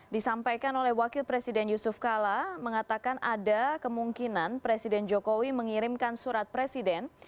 disampaikan oleh wakil presiden yusuf kala mengatakan ada kemungkinan presiden jokowi mengirimkan surat presiden